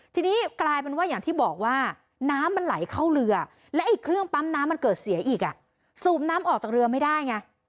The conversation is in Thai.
ถึงจะเกิดเสียอีกมาอะไรสูบน้ำออกจากเรือไม่ได้ไง